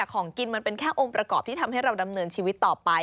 ของกินมันเป็นแค่องค์ประกอบที่ทำให้เราดำเนินชีวิตต่อไป